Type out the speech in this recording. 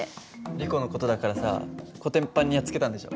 リコの事だからさこてんぱんにやっつけたんでしょ。